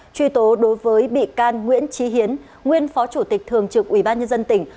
truy tố đối với bị can nguyễn trí hiến nguyên phó chủ tịch thường trực ủy ban nhân dân tỉnh